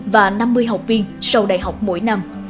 và năm mươi học viên sau đại học mỗi năm